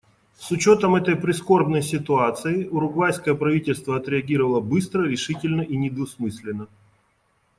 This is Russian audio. С учетом этой прискорбной ситуации, уругвайское правительство отреагировало быстро, решительно и недвусмысленно.